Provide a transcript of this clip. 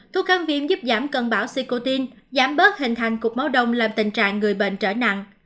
thuốc kháng viêm giúp giảm cân bảo sicoin giảm bớt hình thành cục máu đông làm tình trạng người bệnh trở nặng